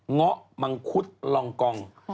เงาะมังคุดลองกอง